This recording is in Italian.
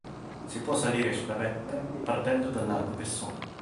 Si può salire sulla vetta partendo dal "lago Besson".